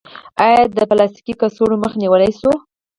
آیا د پلاستیکي کڅوړو مخه نیول شوې؟